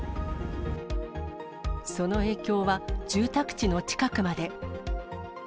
その影響は住宅地の近くまで。